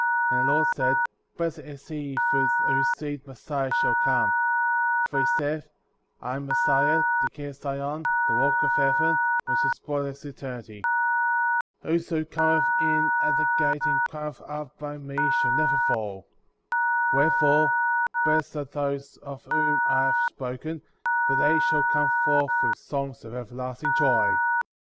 And the Lord said: Blessed is he through whose seed Messiah shall come; for he saith — I am Messiah, the King of Zion, the Kock of Heaven, which is broad as eternity; whoso cometh in at the gate and climbeth up by me shall never fall ; where fore, blessed are they of whom I have spoken^ for they shall come forth with songs of everlasting joy.